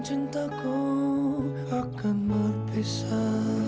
tiba tiba ada icon